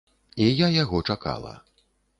І я яго чакала.